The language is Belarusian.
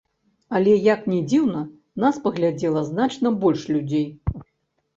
Але, як ні дзіўна, нас паглядзела значна больш людзей.